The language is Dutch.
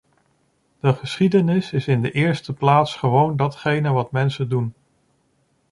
De geschiedenis is in de eerste plaats gewoon datgene wat mensen doen.